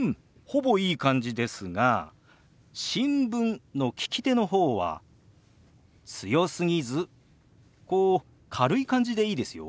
ほぼいい感じですが「新聞」の利き手の方は強すぎずこう軽い感じでいいですよ。